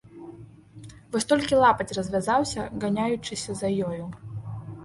Вось толькі лапаць развязаўся, ганяючыся за ёю.